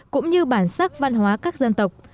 cũng như bản sắc văn hóa các dân tộc